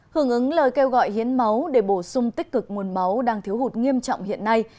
hưởng ứng lời kêu gọi hiến máu để bổ sung tích cực nguồn máu đang thiếu hụt nghiêm trọng hiện nay